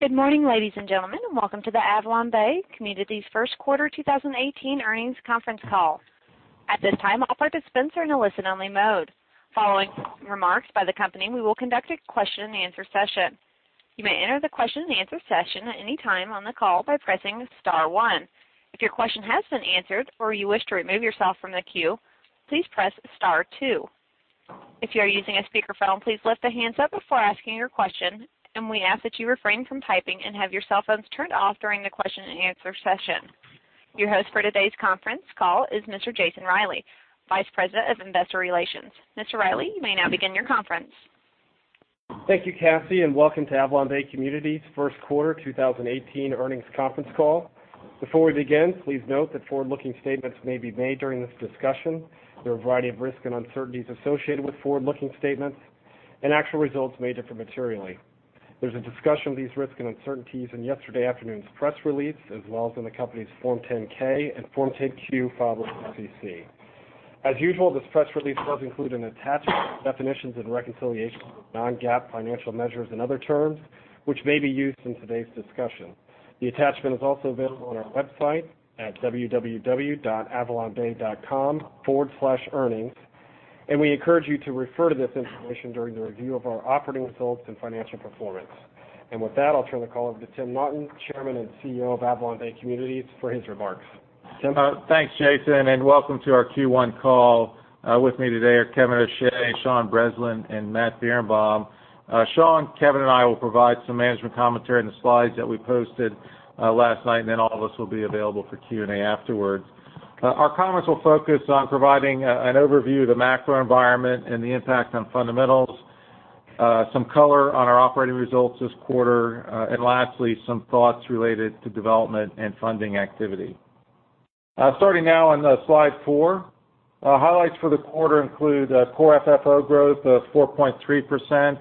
Good morning, ladies and gentlemen, and welcome to the AvalonBay Communities First Quarter 2018 Earnings Conference Call. At this time, I'll pipe us into listen-only mode. Following remarks by the company, we will conduct a question and answer session. You may enter the question and answer session at any time on the call by pressing star one. If your question has been answered or you wish to remove yourself from the queue, please press star two. If you are using a speakerphone, please lift the handset before asking your question, and we ask that you refrain from typing and have your cell phones turned off during the question and answer session. Your host for today's conference call is Mr. Jason Reilley, Vice President of Investor Relations. Mr. Reilley, you may now begin your conference. Thank you, Cassie. Welcome to AvalonBay Communities First Quarter 2018 Earnings Conference Call. Before we begin, please note that forward-looking statements may be made during this discussion. There are a variety of risks and uncertainties associated with forward-looking statements, and actual results may differ materially. There's a discussion of these risks and uncertainties in yesterday afternoon's press release, as well as in the company's Form 10-K and Form 10-Q filed with the SEC. As usual, this press release does include an attachment with definitions and reconciliations of non-GAAP financial measures and other terms, which may be used in today's discussion. The attachment is also available on our website at www.avalonbay.com/earnings, and we encourage you to refer to this information during the review of our operating results and financial performance. With that, I'll turn the call over to Tim Naughton, Chairman and CEO of AvalonBay Communities, for his remarks. Tim? Thanks, Jason. Welcome to our Q1 call. With me today are Kevin O'Shea, Sean Breslin, and Matt Birenbaum. Sean, Kevin, and I will provide some management commentary on the slides that we posted last night, and then all of us will be available for Q&A afterwards. Our comments will focus on providing an overview of the macro environment and the impact on fundamentals, some color on our operating results this quarter, and lastly, some thoughts related to development and funding activity. Starting now on slide four, highlights for the quarter include core FFO growth of 4.3%.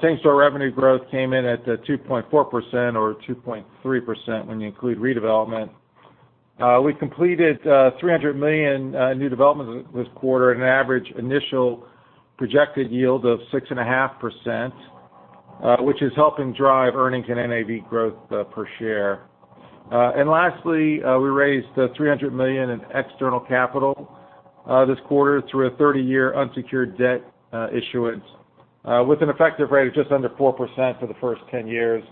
Same-store revenue growth came in at 2.4%, or 2.3% when you include redevelopment. We completed $300 million new developments this quarter at an average initial projected yield of 6.5%, which is helping drive earnings and NAV growth per share. Lastly, we raised $300 million in external capital this quarter through a 30-year unsecured debt issuance with an effective rate of just under 4% for the first 10 years.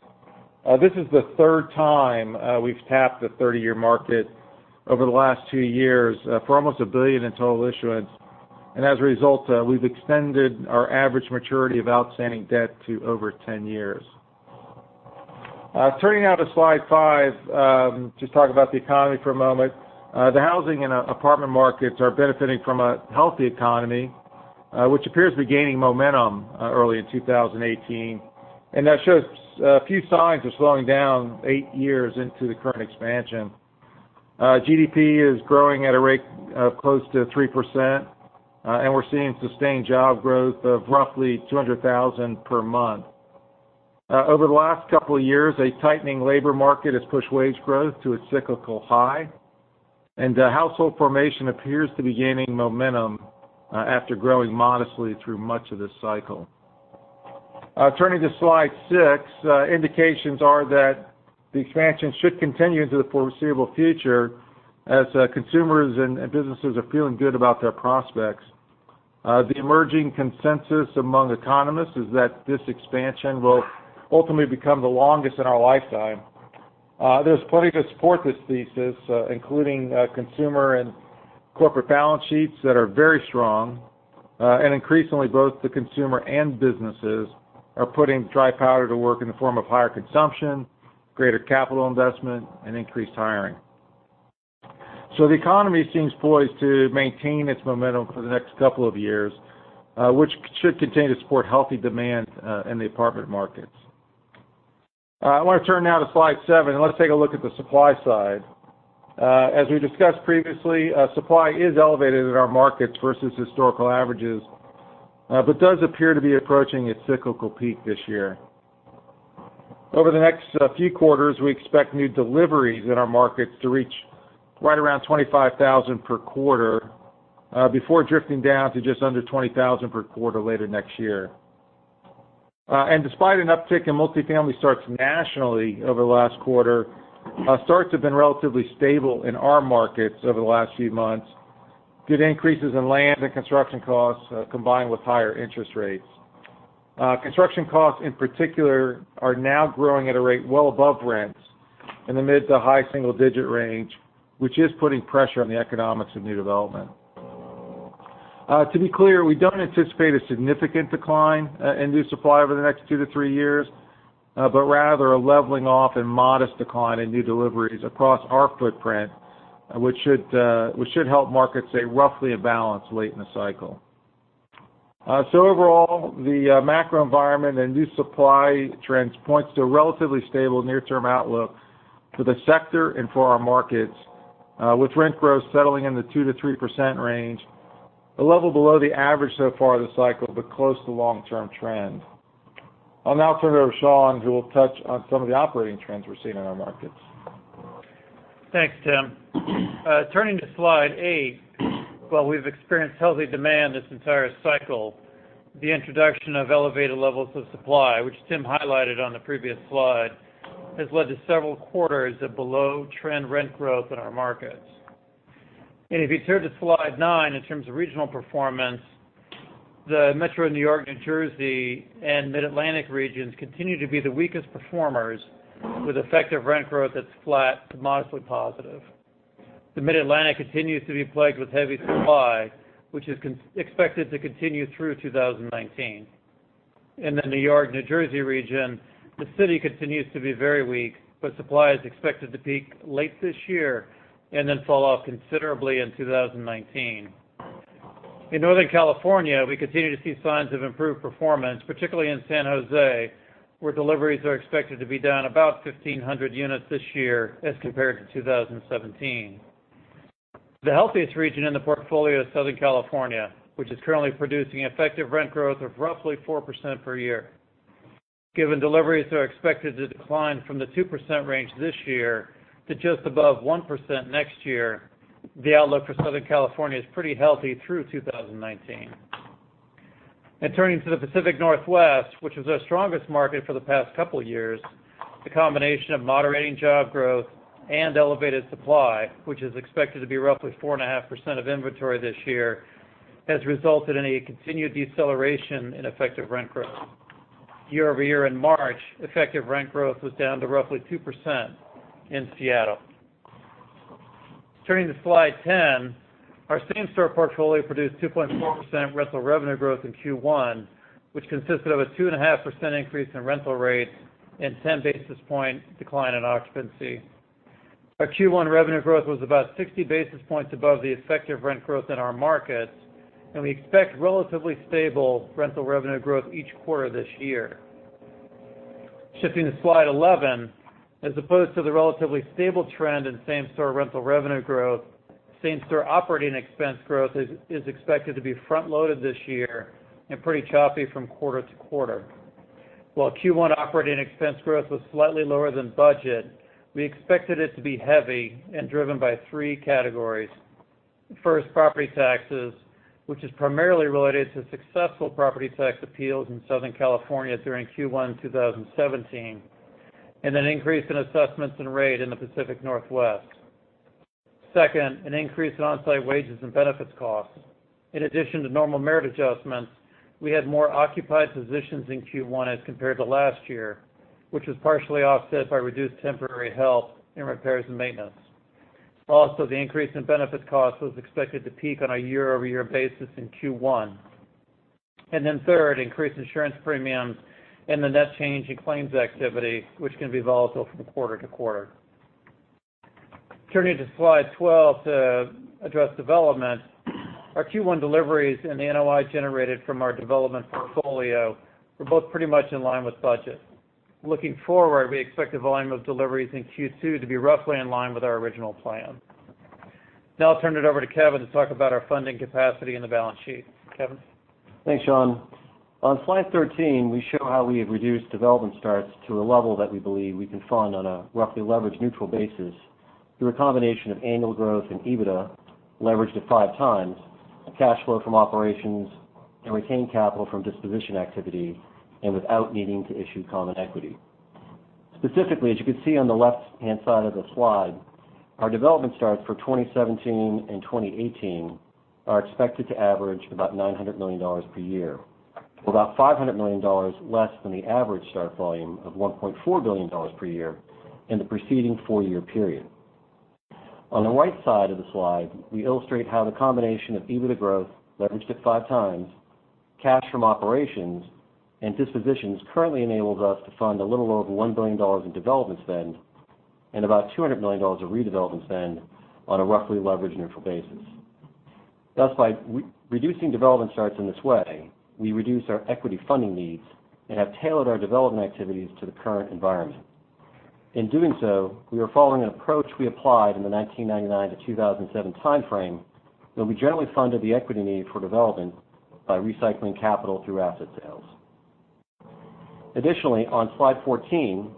This is the third time we've tapped the 30-year market over the last two years for almost $1 billion in total issuance. As a result, we've extended our average maturity of outstanding debt to over 10 years. Turning now to slide five, just talk about the economy for a moment. The housing and apartment markets are benefiting from a healthy economy, which appears to be gaining momentum early in 2018, and that shows few signs of slowing down eight years into the current expansion. GDP is growing at a rate of close to 3%, and we're seeing sustained job growth of roughly 200,000 per month. Over the last couple of years, a tightening labor market has pushed wage growth to a cyclical high, and household formation appears to be gaining momentum after growing modestly through much of this cycle. Turning to slide six, indications are that the expansion should continue into the foreseeable future as consumers and businesses are feeling good about their prospects. The emerging consensus among economists is that this expansion will ultimately become the longest in our lifetime. There's plenty to support this thesis, including consumer and corporate balance sheets that are very strong. Increasingly, both the consumer and businesses are putting dry powder to work in the form of higher consumption, greater capital investment, and increased hiring. The economy seems poised to maintain its momentum for the next couple of years, which should continue to support healthy demand in the apartment markets. I want to turn now to slide seven, and let's take a look at the supply side. As we discussed previously, supply is elevated in our markets versus historical averages but does appear to be approaching its cyclical peak this year. Over the next few quarters, we expect new deliveries in our markets to reach right around 25,000 per quarter, before drifting down to just under 20,000 per quarter later next year. Despite an uptick in multifamily starts nationally over the last quarter, starts have been relatively stable in our markets over the last few months due to increases in land and construction costs combined with higher interest rates. Construction costs, in particular, are now growing at a rate well above rents in the mid to high single-digit range, which is putting pressure on the economics of new development. To be clear, we don't anticipate a significant decline in new supply over the next two to three years, but rather a leveling off and modest decline in new deliveries across our footprint, which should help markets stay roughly in balance late in the cycle. Overall, the macro environment and new supply trends points to a relatively stable near-term outlook for the sector and for our markets, with rent growth settling in the 2% to 3% range, a level below the average so far this cycle, but close to long-term trend. I'll now turn it over to Sean, who will touch on some of the operating trends we're seeing in our markets. Thanks, Tim. Turning to slide eight, while we've experienced healthy demand this entire cycle, the introduction of elevated levels of supply, which Tim highlighted on the previous slide, has led to several quarters of below-trend rent growth in our markets. If you turn to slide nine, in terms of regional performance, the Metro New York, New Jersey, and Mid-Atlantic regions continue to be the weakest performers, with effective rent growth that's flat to modestly positive. The Mid-Atlantic continues to be plagued with heavy supply, which is expected to continue through 2019. In the New York-New Jersey region, the city continues to be very weak, but supply is expected to peak late this year and then fall off considerably in 2019. In Northern California, we continue to see signs of improved performance, particularly in San Jose, where deliveries are expected to be down about 1,500 units this year as compared to 2017. The healthiest region in the portfolio is Southern California, which is currently producing effective rent growth of roughly 4% per year. Given deliveries are expected to decline from the 2% range this year to just above 1% next year, the outlook for Southern California is pretty healthy through 2019. Turning to the Pacific Northwest, which was our strongest market for the past couple years, the combination of moderating job growth and elevated supply, which is expected to be roughly 4.5% of inventory this year, has resulted in a continued deceleration in effective rent growth. Year-over-year in March, effective rent growth was down to roughly 2% in Seattle. Turning to slide 10, our same-store portfolio produced 2.4% rental revenue growth in Q1, which consisted of a 2.5% increase in rental rates and 10 basis point decline in occupancy. Our Q1 revenue growth was about 60 basis points above the effective rent growth in our markets, and we expect relatively stable rental revenue growth each quarter this year. Shifting to slide 11, as opposed to the relatively stable trend in same-store rental revenue growth, same-store operating expense growth is expected to be front-loaded this year and pretty choppy from quarter to quarter. While Q1 operating expense growth was slightly lower than budget, we expected it to be heavy and driven by three categories. First, property taxes, which is primarily related to successful property tax appeals in Southern California during Q1 2017, and an increase in assessments and rate in the Pacific Northwest. Second, an increase in on-site wages and benefits costs. In addition to normal merit adjustments, we had more occupied positions in Q1 as compared to last year, which was partially offset by reduced temporary help in repairs and maintenance. Also, the increase in benefits cost was expected to peak on a year-over-year basis in Q1. Third, increased insurance premiums and the net change in claims activity, which can be volatile from quarter to quarter. Turning to slide 12 to address development, our Q1 deliveries and the NOI generated from our development portfolio were both pretty much in line with budget. Looking forward, we expect the volume of deliveries in Q2 to be roughly in line with our original plan. Now I'll turn it over to Kevin to talk about our funding capacity and the balance sheet. Kevin? Thanks, Sean. On slide 13, we show how we have reduced development starts to a level that we believe we can fund on a roughly leverage neutral basis through a combination of annual growth and EBITDA leverage to 5 times, cash flow from operations, and retain capital from disposition activity, and without needing to issue common equity. Specifically, as you can see on the left-hand side of the slide, our development starts for 2017 and 2018 are expected to average about $900 million per year, or about $500 million less than the average start volume of $1.4 billion per year in the preceding four-year period. On the right side of the slide, we illustrate how the combination of EBITDA growth leveraged at 5 times, cash from operations, and dispositions currently enables us to fund a little over $1 billion in development spend and about $200 million of redevelopment spend on a roughly leverage neutral basis. By reducing development starts in this way, we reduce our equity funding needs and have tailored our development activities to the current environment. In doing so, we are following an approach we applied in the 1999 to 2007 timeframe, where we generally funded the equity need for development by recycling capital through asset sales. On slide 14,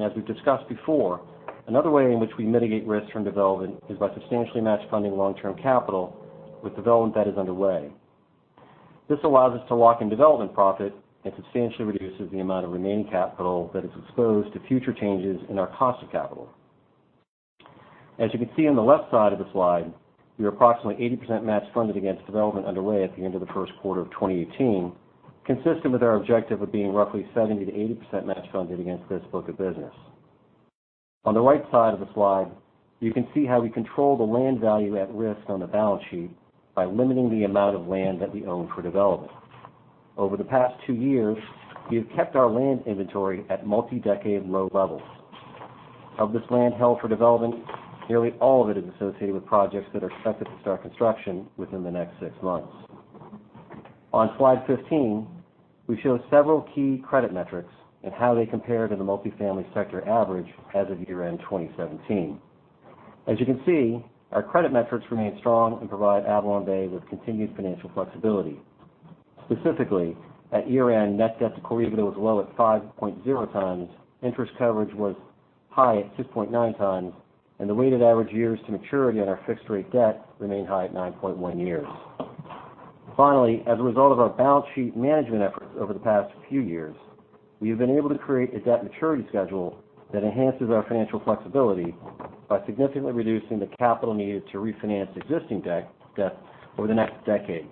as we've discussed before, another way in which we mitigate risks from development is by substantially match funding long-term capital with development that is underway. This allows us to lock in development profit and substantially reduces the amount of remaining capital that is exposed to future changes in our cost of capital. As you can see on the left side of the slide, we are approximately 80% match funded against development underway at the end of the first quarter of 2018, consistent with our objective of being roughly 70%-80% match funded against this book of business. On the right side of the slide, you can see how we control the land value at risk on the balance sheet by limiting the amount of land that we own for development. Over the past two years, we have kept our land inventory at multi-decade low levels. Of this land held for development, nearly all of it is associated with projects that are expected to start construction within the next six months. On slide 15, we show several key credit metrics and how they compare to the multifamily sector average as of year-end 2017. As you can see, our credit metrics remain strong and provide AvalonBay with continued financial flexibility. Specifically, at year-end, net debt to core EBITDA was low at 5.0 times, interest coverage was high at 6.9 times, and the weighted average years to maturity on our fixed-rate debt remain high at 9.1 years. Finally, as a result of our balance sheet management efforts over the past few years, we have been able to create a debt maturity schedule that enhances our financial flexibility by significantly reducing the capital needed to refinance existing debt over the next decade.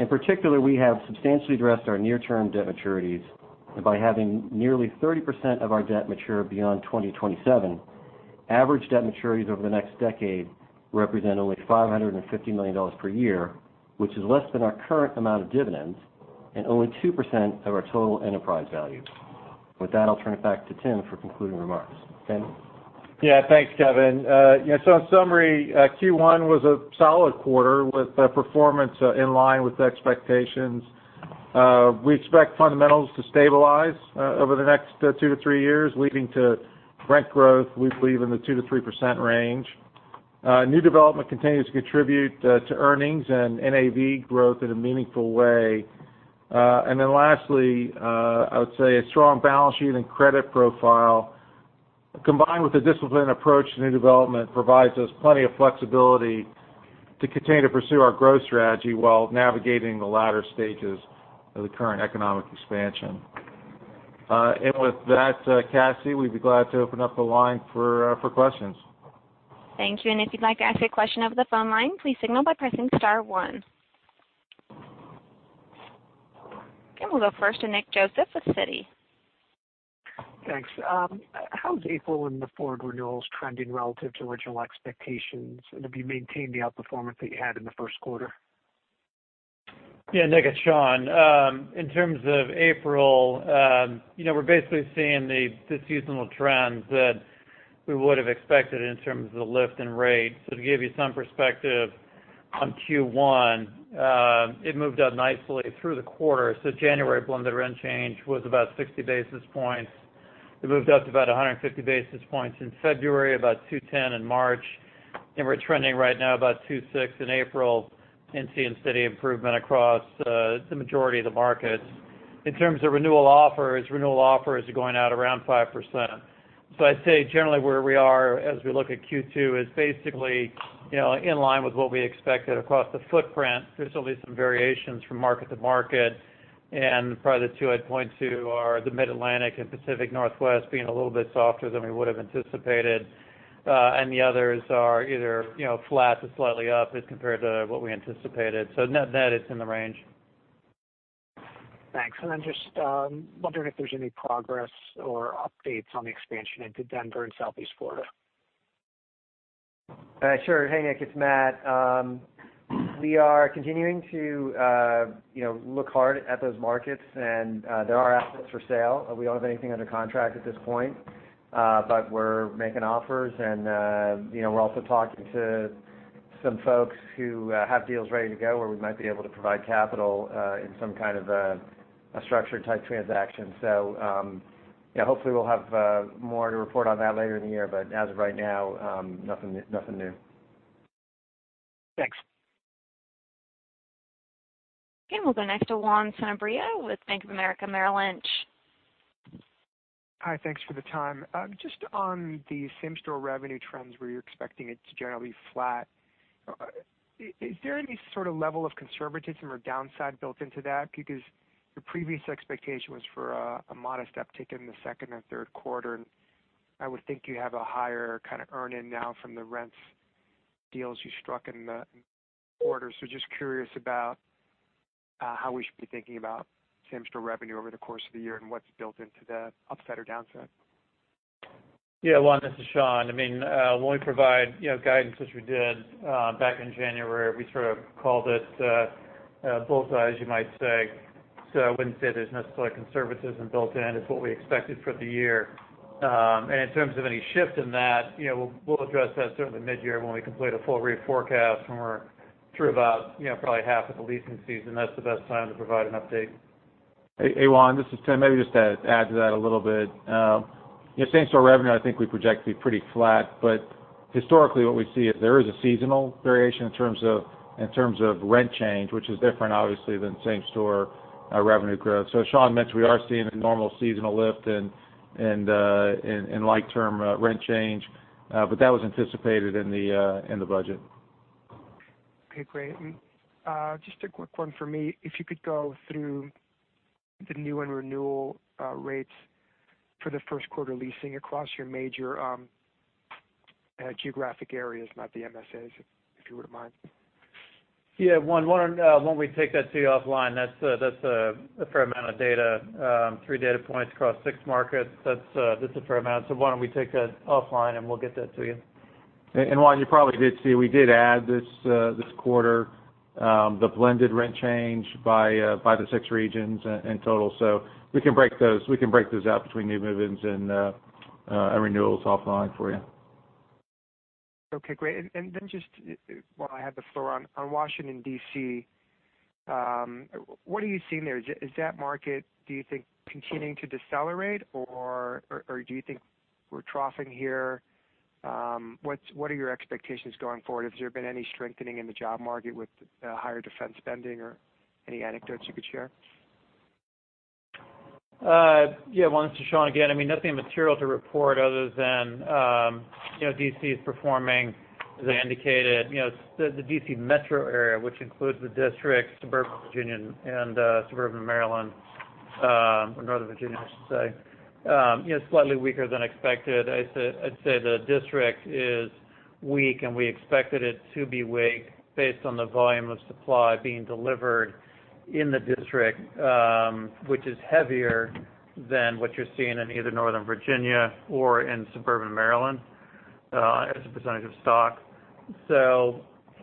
In particular, we have substantially addressed our near-term debt maturities. By having nearly 30% of our debt mature beyond 2027, average debt maturities over the next decade will represent only $550 million per year, which is less than our current amount of dividends and only 2% of our total enterprise value. With that, I'll turn it back to Tim for concluding remarks. Tim? Thanks, Kevin. In summary, Q1 was a solid quarter with performance in line with expectations. We expect fundamentals to stabilize over the next two to three years, leading to rent growth, we believe in the 2%-3% range. New development continues to contribute to earnings and NAV growth in a meaningful way. Lastly, I would say a strong balance sheet and credit profile, combined with a disciplined approach to new development, provides us plenty of flexibility to continue to pursue our growth strategy while navigating the latter stages of the current economic expansion. With that, Cassie, we'd be glad to open up the line for questions. Thank you. If you'd like to ask a question over the phone line, please signal by pressing *1. We'll go first to Nick Joseph with Citi. Thanks. How's April in the forward renewals trending relative to original expectations? Have you maintained the outperformance that you had in the first quarter? Nick, it's Sean. In terms of April, we're basically seeing the seasonal trends that we would've expected in terms of the lift and rate. To give you some perspective on Q1, it moved up nicely through the quarter. January blended rent change was about 60 basis points. It moved up to about 150 basis points in February, about 210 in March, we're trending right now about 206 in April and seeing steady improvement across the majority of the markets. In terms of renewal offers, renewal offers are going out around 5%. I'd say generally where we are as we look at Q2 is basically in line with what we expected across the footprint. There's always some variations from market to market, and probably the two I'd point to are the Mid-Atlantic and Pacific Northwest being a little bit softer than we would've anticipated. The others are either flat to slightly up as compared to what we anticipated. Net is in the range. Thanks. Just wondering if there's any progress or updates on the expansion into Denver and Southeast Florida. Sure. Hey, Nick, it's Matt. We are continuing to look hard at those markets, and there are assets for sale. We don't have anything under contract at this point. We're making offers and we're also talking to some folks who have deals ready to go, where we might be able to provide capital, in some kind of a structured-type transaction. Hopefully, we'll have more to report on that later in the year. As of right now, nothing new. Thanks. Okay. We'll go next to Juan Sanabria with Bank of America Merrill Lynch. Hi. Thanks for the time. On the same-store revenue trends, where you are expecting it to generally be flat. Is there any sort of level of conservatism or downside built into that? Because your previous expectation was for a modest uptick in the second and third quarter. I would think you have a higher kind of earn-in now from the rents deals you struck in the quarter. Curious about how we should be thinking about same-store revenue over the course of the year, and what is built into the upside or downside. Yeah, Juan, this is Sean. When we provide guidance, which we did back in January, we sort of called it bull's-eye, as you might say. I would not say there is necessarily conservatism built in. It is what we expected for the year. In terms of any shift in that, we will address that certainly mid-year, when we complete a full re-forecast, when we are through about probably half of the leasing season. That is the best time to provide an update. Hey, Juan, this is Tim. To add to that a little bit. Same-store revenue, I think we project to be pretty flat. Historically, what we see is there is a seasonal variation in terms of rent change, which is different, obviously, than same-store revenue growth. Sean mentioned we are seeing a normal seasonal lift in like-term rent change, but that was anticipated in the budget. Okay, great. A quick one from me. If you could go through the new and renewal rates for the first quarter leasing across your major geographic areas, not the MSAs, if you would not mind. Yeah, Juan, why don't we take that to you offline? That's a fair amount of data. Three data points across six markets. That's a fair amount. Why don't we take that offline, and we'll get that to you. Juan, you probably did see, we did add this quarter, the blended rent change by the six regions in total. We can break those out between new move-ins and renewals offline for you. Okay, great. Just while I have the floor, on Washington, D.C., what are you seeing there? Is that market, do you think, continuing to decelerate, or do you think we're troughing here? What are your expectations going forward? Has there been any strengthening in the job market with higher defense spending, or any anecdotes you could share? Yeah. This is Sean Breslin again. Nothing material to report other than D.C. is performing as indicated. The D.C. metro area, which includes the district, suburban Virginia and suburban Maryland, or Northern Virginia, I should say, slightly weaker than expected. I'd say the district is weak, and we expected it to be weak based on the volume of supply being delivered in the district, which is heavier than what you're seeing in either Northern Virginia or in suburban Maryland as a percentage of stock.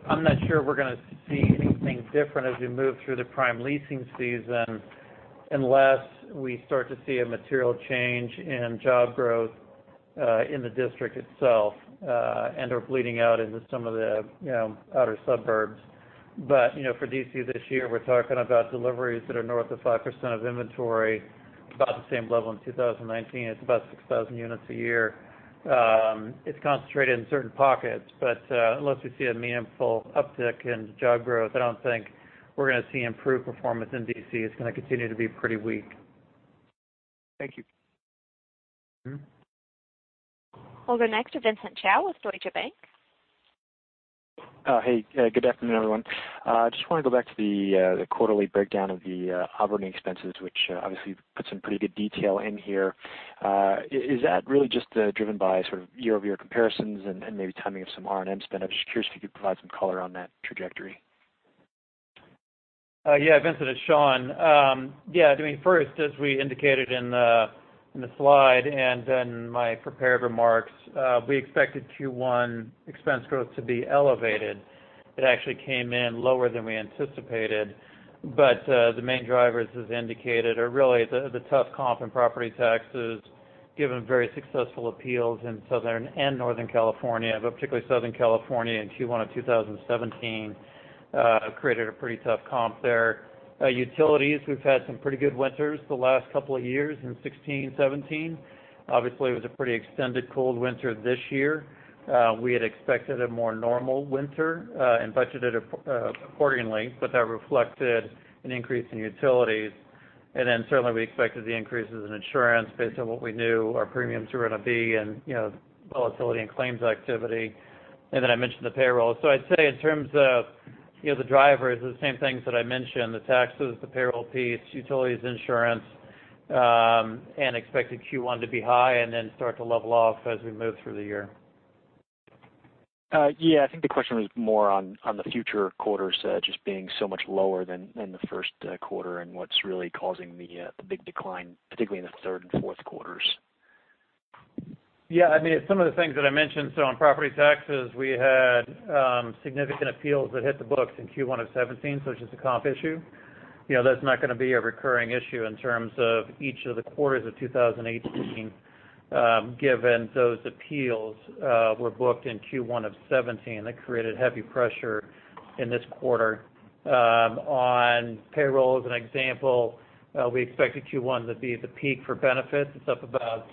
I'm not sure we're going to see anything different as we move through the prime leasing season, unless we start to see a material change in job growth in the district itself and/or bleeding out into some of the outer suburbs. For D.C. this year, we're talking about deliveries that are north of 5% of inventory, about the same level in 2019. It's about 6,000 units a year. It's concentrated in certain pockets. Unless we see a meaningful uptick in job growth, I don't think we're going to see improved performance in D.C. It's going to continue to be pretty weak. Thank you. We'll go next to Vincent Chao with Deutsche Bank. Hey, good afternoon, everyone. Just want to go back to the quarterly breakdown of the operating expenses, which obviously you put some pretty good detail in here. Is that really just driven by sort of year-over-year comparisons and maybe timing of some R&M spend? I'm just curious if you could provide some color on that trajectory. Vincent, it's Sean. First, as we indicated in the slide and in my prepared remarks, we expected Q1 expense growth to be elevated. It actually came in lower than we anticipated. The main drivers, as indicated, are really the tough comp in property taxes, given very successful appeals in Southern and Northern California, but particularly Southern California in Q1 of 2017, created a pretty tough comp there. Utilities, we've had some pretty good winters the last couple of years in 2016 and 2017. Obviously, it was a pretty extended cold winter this year. We had expected a more normal winter and budgeted accordingly. That reflected an increase in utilities. Certainly we expected the increases in insurance based on what we knew our premiums were going to be and the volatility in claims activity. I mentioned the payroll. I'd say in terms of the drivers, the same things that I mentioned, the taxes, the payroll piece, utilities, insurance, and expected Q1 to be high and then start to level off as we move through the year. I think the question was more on the future quarters just being so much lower than the first quarter and what's really causing the big decline, particularly in the third and fourth quarters. Yeah. Some of the things that I mentioned. On property taxes, we had significant appeals that hit the books in Q1 of 2017, so it's just a comp issue. That's not going to be a recurring issue in terms of each of the quarters of 2018, given those appeals were booked in Q1 of 2017. That created heavy pressure in this quarter. On payroll, as an example, we expected Q1 to be the peak for benefits. It's up about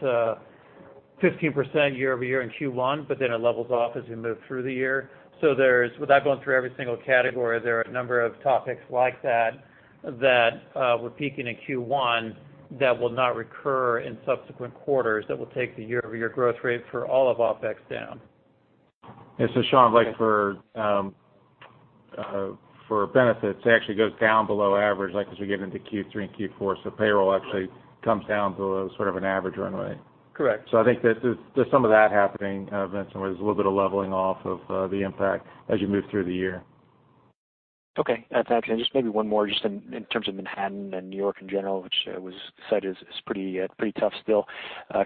15% year-over-year in Q1, but then it levels off as we move through the year. Without going through every single category, there are a number of topics like that we're peaking in Q1, that will not recur in subsequent quarters, that will take the year-over-year growth rate for all of OpEx down. Yeah. Sean, for benefits, it actually goes down below average as we get into Q3 and Q4. Payroll actually comes down to sort of an average runway. Correct. I think there's some of that happening, Vincent, where there's a little bit of leveling off of the impact as you move through the year. Okay. That's actually it. Just maybe one more, just in terms of Manhattan and New York in general, which was said is pretty tough still.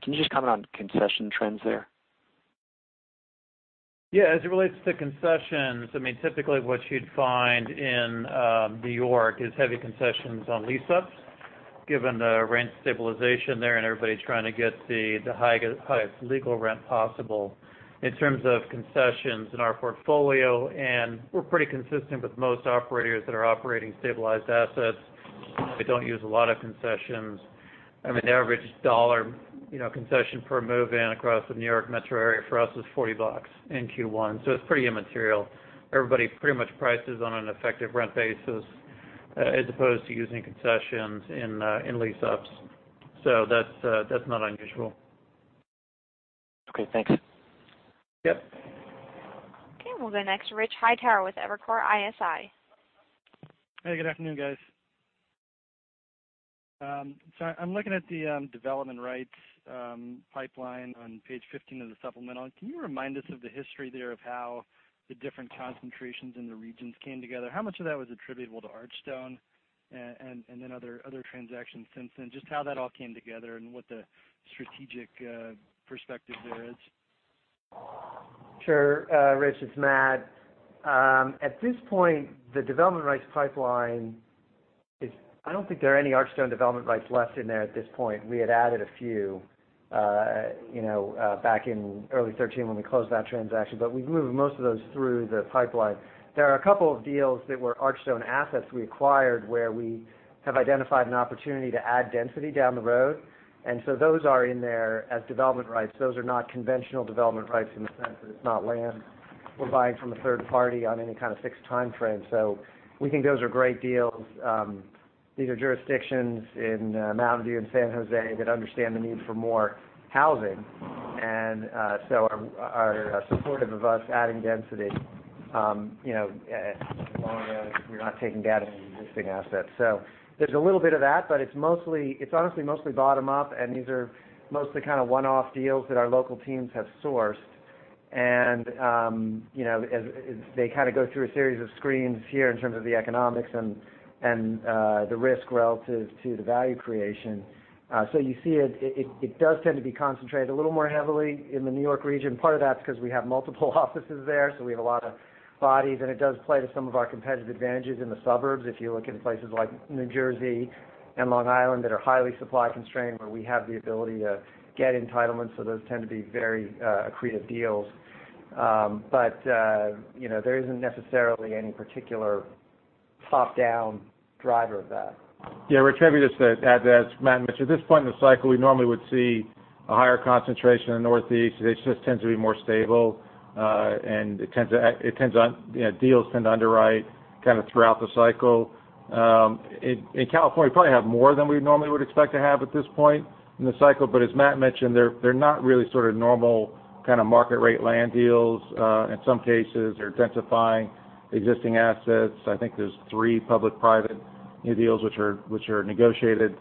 Can you just comment on concession trends there? Yeah. As it relates to concessions, typically what you'd find in New York is heavy concessions on lease-ups, given the rent stabilization there and everybody trying to get the highest legal rent possible. In terms of concessions in our portfolio, we're pretty consistent with most operators that are operating stabilized assets. We don't use a lot of concessions. The average dollar concession per move-in across the New York metro area for us is $40 in Q1, so it's pretty immaterial. Everybody pretty much prices on an effective rent basis as opposed to using concessions in lease-ups. That's not unusual. Okay, thanks. Yep. Okay, we'll go next to Richard Hightower with Evercore ISI. Hey, good afternoon, guys. I'm looking at the development rights pipeline on page 15 of the supplemental. Can you remind us of the history there of how the different concentrations in the regions came together? How much of that was attributable to Archstone then other transactions since then? Just how that all came together and what the strategic perspective there is. Sure. Rich, it's Matt. At this point, the development rights pipeline, I don't think there are any Archstone development rights left in there at this point. We had added a few back in early 2013 when we closed that transaction, but we've moved most of those through the pipeline. There are a couple of deals that were Archstone assets we acquired where we have identified an opportunity to add density down the road. Those are in there as development rights. Those are not conventional development rights in the sense that it's not land We're buying from a third party on any kind of fixed timeframe. We think those are great deals. These are jurisdictions in Mountain View and San Jose that understand the need for more housing, are supportive of us adding density, as long as we're not taking down any existing assets. There's a little bit of that, but it's honestly mostly bottom-up, these are mostly kind of one-off deals that our local teams have sourced. As they kind of go through a series of screens here in terms of the economics and the risk relative to the value creation. You see it does tend to be concentrated a little more heavily in the New York region. Part of that is because we have multiple offices there, we have a lot of bodies, it does play to some of our competitive advantages in the suburbs. If you look in places like New Jersey and Long Island that are highly supply-constrained, where we have the ability to get entitlements, those tend to be very accretive deals. There isn't necessarily any particular top-down driver of that. Rich, maybe just to add to that. Matt mentioned at this point in the cycle, we normally would see a higher concentration in the Northeast. They just tend to be more stable. Deals tend to underwrite kind of throughout the cycle. In California, we probably have more than we normally would expect to have at this point in the cycle. As Matt mentioned, they're not really sort of normal kind of market-rate land deals. In some cases, they're densifying existing assets. I think there's three public-private new deals, which are negotiated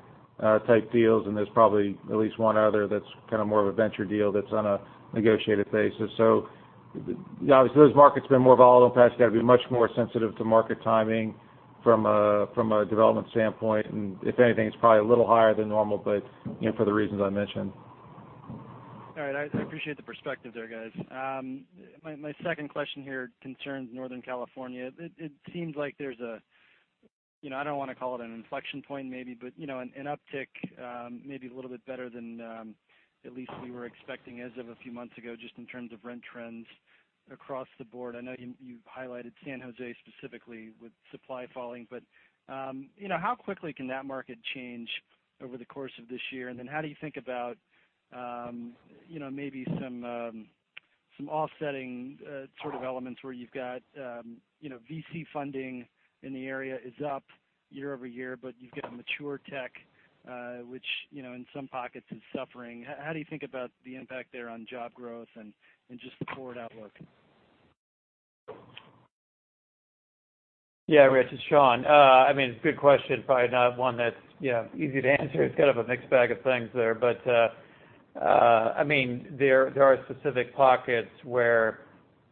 type deals, and there's probably at least one other that's kind of more of a venture deal that's on a negotiated basis. Obviously, those markets have been more volatile in the past. You got to be much more sensitive to market timing from a development standpoint. if anything, it's probably a little higher than normal, for the reasons I mentioned. All right. I appreciate the perspective there, guys. My second question here concerns Northern California. It seems like there's a, I don't want to call it an inflection point maybe, but an uptick maybe a little bit better than at least we were expecting as of a few months ago, just in terms of rent trends across the board. I know you've highlighted San Jose specifically with supply falling. How quickly can that market change over the course of this year? How do you think about maybe some offsetting sort of elements where you've got VC funding in the area is up year-over-year, but you've got a mature tech, which, in some pockets is suffering. How do you think about the impact there on job growth and just the forward outlook? Yeah, Rich, it's Sean. Good question. Probably not one that's easy to answer. It's kind of a mixed bag of things there. There are specific pockets where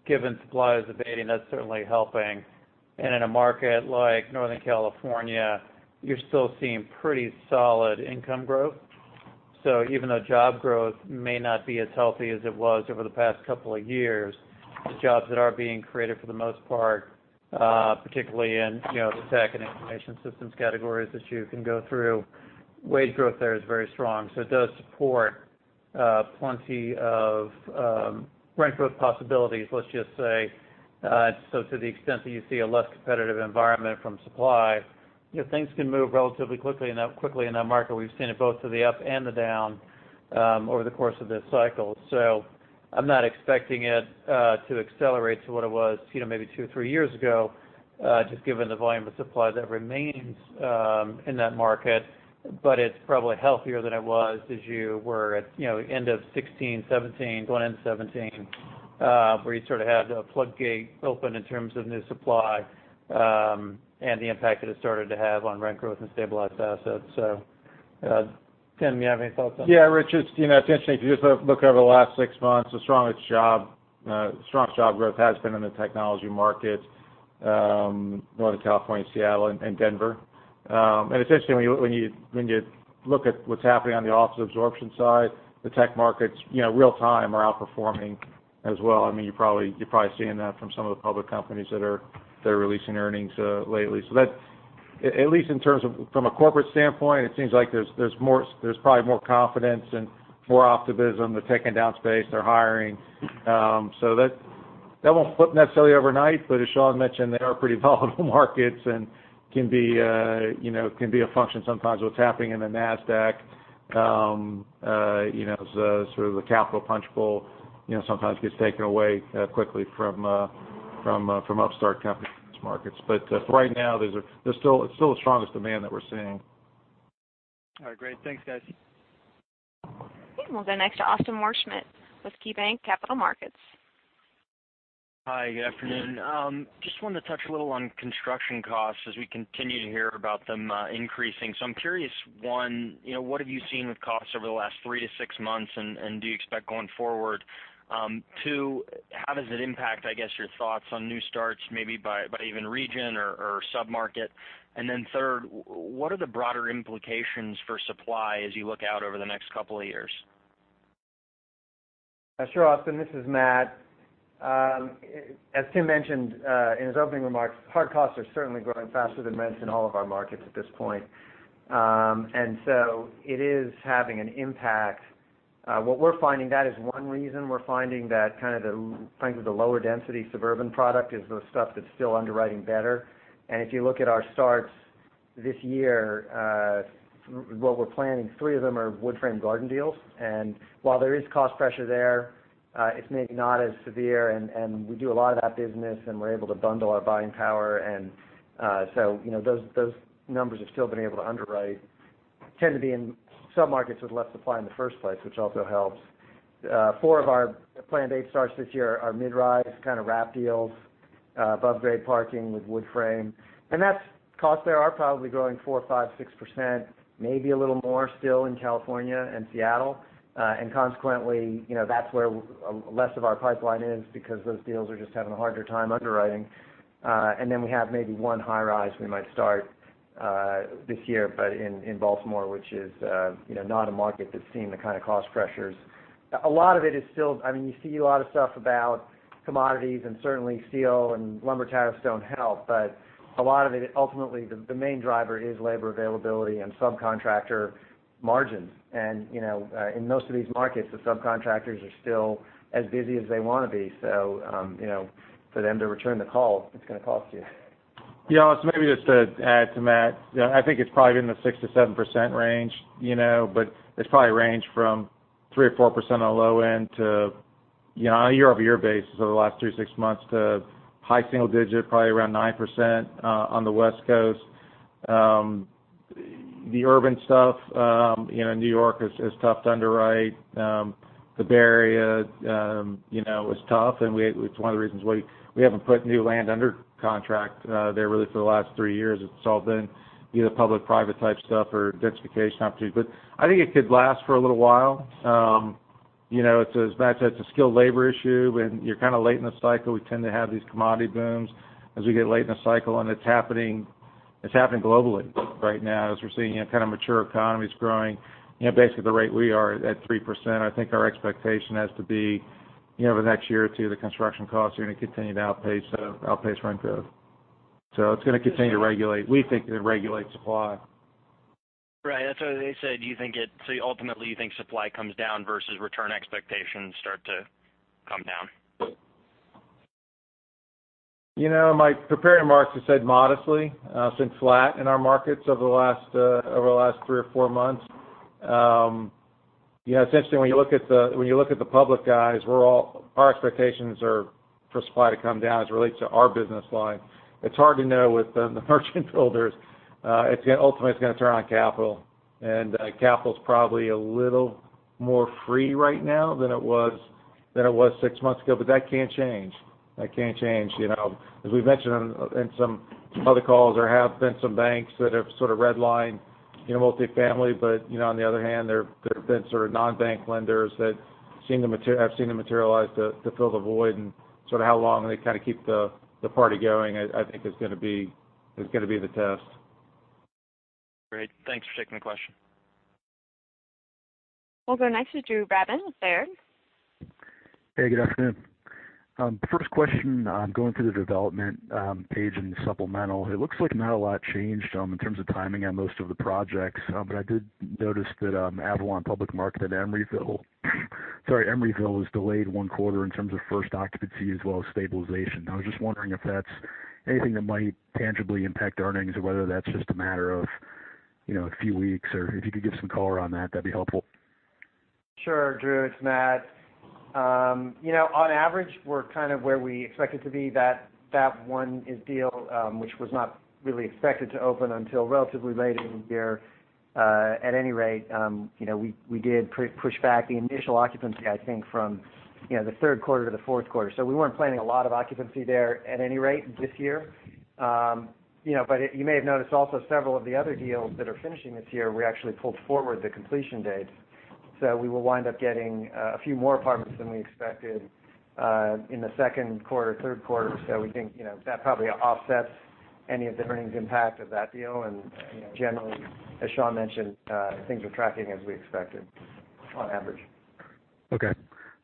given supply is abating, that's certainly helping. In a market like Northern California, you're still seeing pretty solid income growth. Even though job growth may not be as healthy as it was over the past couple of years, the jobs that are being created for the most part, particularly in the tech and information systems categories that you can go through, wage growth there is very strong. It does support plenty of rent growth possibilities, let's just say. To the extent that you see a less competitive environment from supply, things can move relatively quickly in that market. We've seen it both to the up and the down over the course of this cycle. I'm not expecting it to accelerate to what it was maybe two or three years ago, just given the volume of supply that remains in that market. It's probably healthier than it was as you were at end of 2016, 2017, going into 2017, where you sort of had the floodgate open in terms of new supply, and the impact that it started to have on rent growth and stabilized assets. Tim, you have any thoughts on that? Rich, it's interesting. If you just look over the last 6 months, the strongest job growth has been in the technology market, Northern California, Seattle, and Denver. Essentially, when you look at what's happening on the office absorption side, the tech markets real-time are outperforming as well. You're probably seeing that from some of the public companies that are releasing earnings lately. At least in terms of from a corporate standpoint, it seems like there's probably more confidence and more optimism. They're taking down space, they're hiring. That won't flip necessarily overnight. As Sean mentioned, they are pretty volatile markets and can be a function sometimes of what's happening in the NASDAQ. Sort of the capital punchbowl sometimes gets taken away quickly from upstart companies in these markets. For right now, it's still the strongest demand that we're seeing. All right, great. Thanks, guys. We'll go next to Austin Wurschmidt with KeyBanc Capital Markets. Hi, good afternoon. Just wanted to touch a little on construction costs as we continue to hear about them increasing. I'm curious, one, what have you seen with costs over the last 3 to 6 months, and do you expect going forward? Two, how does it impact, I guess, your thoughts on new starts, maybe by even region or sub-market? Then third, what are the broader implications for supply as you look out over the next couple of years? Sure, Austin, this is Matt. As Tim mentioned in his opening remarks, hard costs are certainly growing faster than rents in all of our markets at this point. It is having an impact. What we're finding, that is one reason we're finding that kind of the lower density suburban product is the stuff that's still underwriting better. If you look at our starts this year, what we're planning, three of them are wood-frame garden deals. While there is cost pressure there, it's maybe not as severe, and we do a lot of that business, and we're able to bundle our buying power. Those numbers have still been able to underwrite, tend to be in sub-markets with less supply in the first place, which also helps. Four of our planned eight starts this year are mid-rise, kind of wrap deals, above-grade parking with wood frame. Costs there are probably growing 4%, 5%, 6%, maybe a little more still in California and Seattle. Consequently, that's where less of our pipeline is because those deals are just having a harder time underwriting. Then we have maybe one high rise we might start this year, but in Baltimore, which is not a market that's seeing the kind of cost pressures. A lot of it is still You see a lot of stuff about commodities, and certainly steel and lumber tariffs don't help, but a lot of it, ultimately, the main driver is labor availability and subcontractor margins. In most of these markets, the subcontractors are still as busy as they want to be. For them to return the call, it's going to cost you. Yeah. Maybe just to add to Matt. I think it's probably in the 6%-7% range. It's probably ranged from 3% or 4% on the low end to, on a year-over-year basis over the last three to six months, to high single digit, probably around 9% on the West Coast. The urban stuff, New York is tough to underwrite. The Bay Area, was tough, and it's one of the reasons we haven't put new land under contract there really for the last three years. It's all been either public-private type stuff or densification opportunities. I think it could last for a little while. As Matt said, it's a skilled labor issue. When you're kind of late in the cycle, we tend to have these commodity booms as we get late in the cycle, and it's happening globally right now as we're seeing kind of mature economies growing basically at the rate we are, at 3%. I think our expectation has to be over the next year or two, the construction costs are going to continue to outpace rent growth. It's going to continue to regulate. We think it'll regulate supply. Right. That's what I said. Ultimately, you think supply comes down versus return expectations start to come down? My prepared remarks just said modestly. It's been flat in our markets over the last three or four months. It's interesting, when you look at the public guys, our expectations are for supply to come down as it relates to our business line. It's hard to know with the merchant builders. Ultimately, it's going to turn on capital's probably a little more free right now than it was six months ago, that can change. That can change. As we've mentioned in some other calls, there have been some banks that have sort of red-lined multifamily. On the other hand, there have been sort of non-bank lenders that I've seen them materialize to fill the void, and sort of how long they kind of keep the party going, I think, is going to be the test. Great. Thanks for taking the question. We'll go next to Drew Babin with Baird. Hey, good afternoon. First question, going through the development page in the supplemental, it looks like not a lot changed in terms of timing on most of the projects. I did notice that Avalon Public Market at Emeryville is delayed one quarter in terms of first occupancy as well as stabilization. I was just wondering if that's anything that might tangibly impact earnings, or whether that's just a matter of a few weeks, or if you could give some color on that'd be helpful. Sure, Drew, it's Matt. On average, we're kind of where we expect it to be. That one deal, which was not really expected to open until relatively late in the year, at any rate, we did push back the initial occupancy, I think, from the third quarter to the fourth quarter. We weren't planning a lot of occupancy there at any rate this year. You may have noticed also several of the other deals that are finishing this year, we actually pulled forward the completion dates. We will wind up getting a few more apartments than we expected in the second quarter, third quarter. We think that probably offsets any of the earnings impact of that deal, and generally, as Sean mentioned, things are tracking as we expected on average. Okay.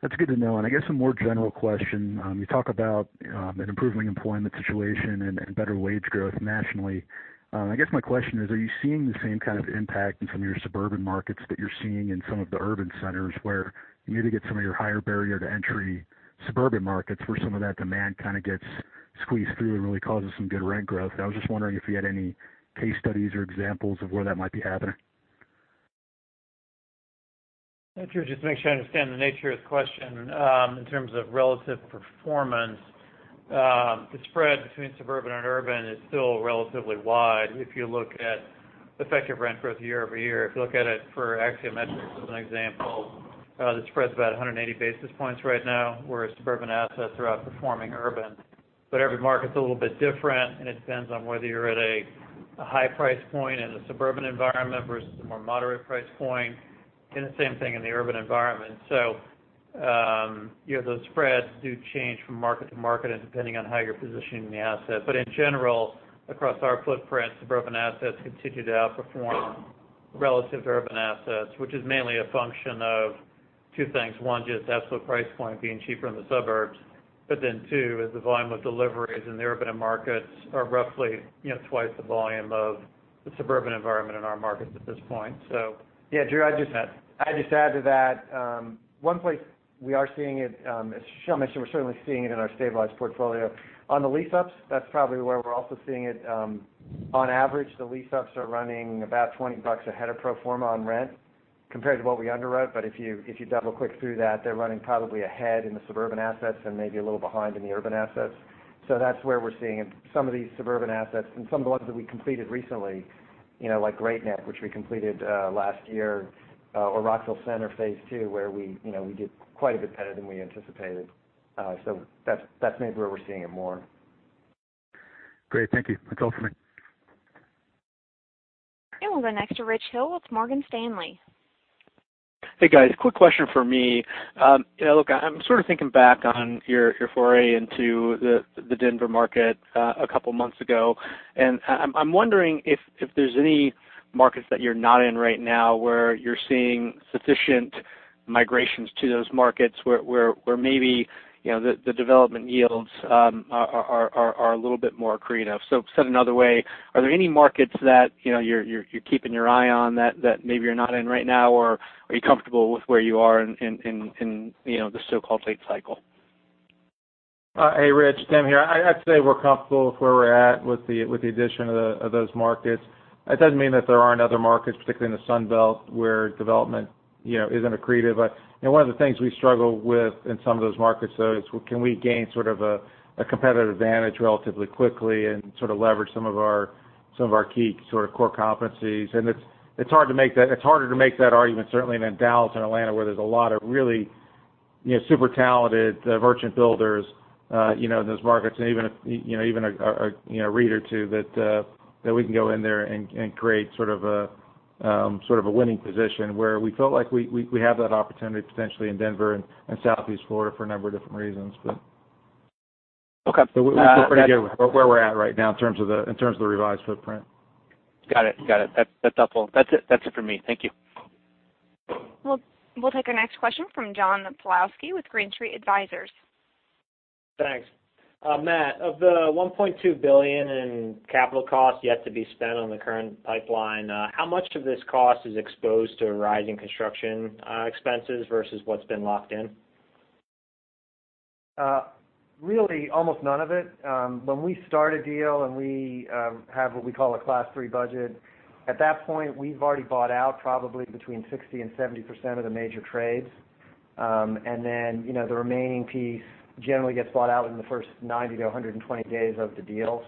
That's good to know. I guess a more general question. You talk about an improving employment situation and better wage growth nationally. I guess my question is, are you seeing the same kind of impact in some of your suburban markets that you're seeing in some of the urban centers where you get some of your higher barrier to entry suburban markets where some of that demand kind of gets squeezed through and really causes some good rent growth? I was just wondering if you had any case studies or examples of where that might be happening. Drew, just to make sure I understand the nature of the question, in terms of relative performance, the spread between suburban and urban is still relatively wide if you look at effective rent growth year-over-year. If you look at it for Axiometrics as an example, the spread's about 180 basis points right now, where suburban assets are outperforming urban. Every market's a little bit different, and it depends on whether you're at a high price point in a suburban environment versus a more moderate price point, and the same thing in the urban environment. Those spreads do change from market to market and depending on how you're positioning the asset. In general, across our footprint, suburban assets continue to outperform relative to urban assets, which is mainly a function of two things. One, just absolute price point being cheaper in the suburbs. Two, is the volume of deliveries in the urban markets are roughly twice the volume of the suburban environment in our markets at this point. Yeah, Drew, I'd just add to that. One place we are seeing it, as Sean mentioned, we're certainly seeing it in our stabilized portfolio. On the lease-ups, that's probably where we're also seeing it. On average, the lease-ups are running about 20 bucks ahead of pro forma on rent. Compared to what we underwrote. If you double-click through that, they're running probably ahead in the suburban assets and maybe a little behind in the urban assets. That's where we're seeing some of these suburban assets and some of the ones that we completed recently, like Great Neck, which we completed last year, or Avalon Rockville Centre Phase II, where we did quite a bit better than we anticipated. That's maybe where we're seeing it more. Great. Thank you. That's all for me. We'll go next to Richard Hill with Morgan Stanley. Hey, guys. Quick question from me. I'm sort of thinking back on your foray into the Denver market a couple of months ago, and I'm wondering if there's any markets that you're not in right now where you're seeing sufficient migrations to those markets, where maybe the development yields are a little bit more accretive. Said another way, are there any markets that you're keeping your eye on that maybe you're not in right now, or are you comfortable with where you are in the so-called late cycle? Hey, Rich. Tim here. I'd say we're comfortable with where we're at with the addition of those markets. That doesn't mean that there aren't other markets, particularly in the Sun Belt, where development isn't accretive. One of the things we struggle with in some of those markets, though, is can we gain sort of a competitive advantage relatively quickly and sort of leverage some of our key sort of core competencies. It's harder to make that argument, certainly in Dallas and Atlanta, where there's a lot of really super talented merchant builders in those markets, and even a REIT or two that we can go in there and create sort of a winning position, where we felt like we have that opportunity potentially in Denver and Southeast Florida for a number of different reasons. Okay We feel pretty good with where we're at right now in terms of the revised footprint. Got it. That's helpful. That's it for me. Thank you. We'll take our next question from John Pawlowski with Green Street Advisors. Thanks. Matt, of the $1.2 billion in capital costs yet to be spent on the current pipeline, how much of this cost is exposed to rising construction expenses versus what's been locked in? Really, almost none of it. When we start a deal and we have what we call a Class 3 budget, at that point, we've already bought out probably between 60% and 70% of the major trades. Then, the remaining piece generally gets bought out in the first 90 to 120 days of the deal.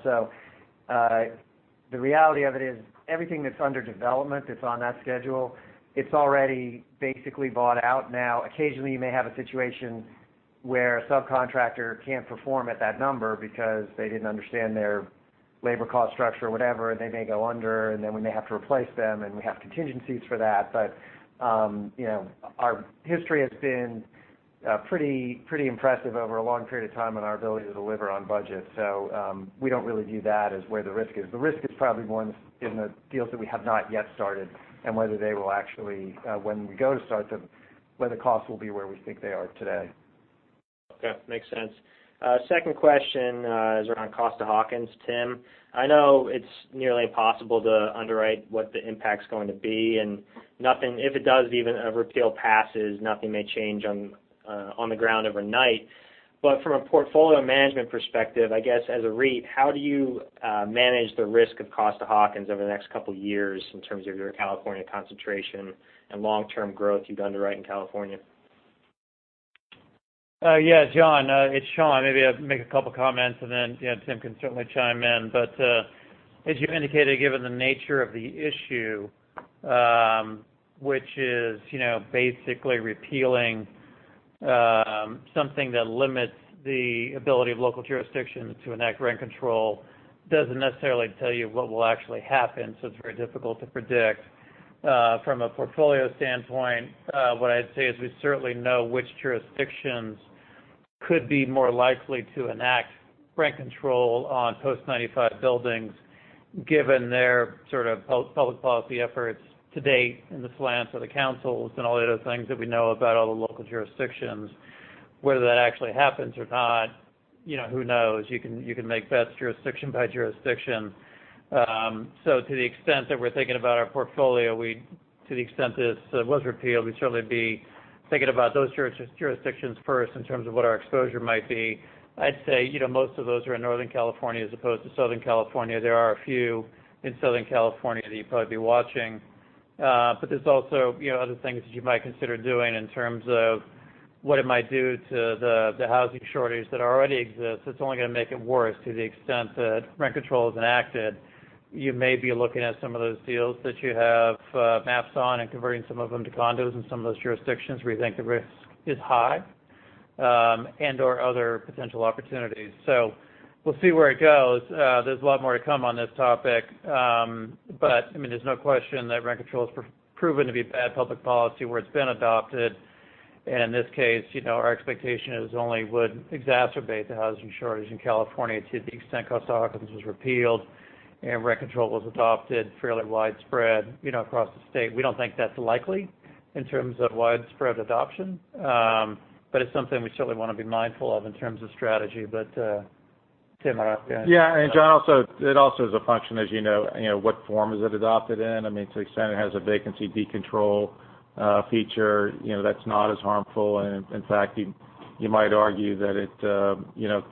The reality of it is, everything that's under development that's on that schedule, it's already basically bought out now. Occasionally, you may have a situation where a subcontractor can't perform at that number because they didn't understand their labor cost structure, whatever, and they may go under, and then we may have to replace them, and we have contingencies for that. Our history has been pretty impressive over a long period of time in our ability to deliver on budget. We don't really view that as where the risk is. The risk is probably more in the deals that we have not yet started and whether they will actually, when we go to start them, whether costs will be where we think they are today. Okay. Makes sense. Second question is around Costa-Hawkins, Tim. I know it's nearly impossible to underwrite what the impact's going to be, and if it does, even a repeal passes, nothing may change on the ground overnight. From a portfolio management perspective, I guess as a REIT, how do you manage the risk of Costa-Hawkins over the next couple of years in terms of your California concentration and long-term growth you've underwritten in California? Yes, John. It's Sean. Maybe I'll make a couple of comments, and then Tim can certainly chime in. As you indicated, given the nature of the issue, which is basically repealing something that limits the ability of local jurisdictions to enact rent control, doesn't necessarily tell you what will actually happen. It's very difficult to predict. From a portfolio standpoint, what I'd say is we certainly know which jurisdictions could be more likely to enact rent control on post-95 buildings, given their sort of public policy efforts to date and the slants of the councils and all the other things that we know about all the local jurisdictions. Whether that actually happens or not, who knows? You can make bets jurisdiction by jurisdiction. To the extent that we're thinking about our portfolio, to the extent this was repealed, we'd certainly be thinking about those jurisdictions first in terms of what our exposure might be. I'd say most of those are in Northern California as opposed to Southern California. There are a few in Southern California that you'd probably be watching. There's also other things that you might consider doing in terms of what it might do to the housing shortage that already exists. It's only going to make it worse to the extent that rent control is enacted. You may be looking at some of those deals that you have maps on and converting some of them to condos in some of those jurisdictions where you think the risk is high, and/or other potential opportunities. We'll see where it goes. There's a lot more to come on this topic. There's no question that rent control has proven to be bad public policy where it's been adopted. In this case, our expectation is it only would exacerbate the housing shortage in California to the extent Costa-Hawkins was repealed and rent control was adopted fairly widespread across the state. We don't think that's likely in terms of widespread adoption. It's something we certainly want to be mindful of in terms of strategy. Tim might have to add. Yeah. John, it also is a function, as you know, what form is it adopted in? To the extent it has a vacancy decontrol feature, that's not as harmful. In fact, you might argue that it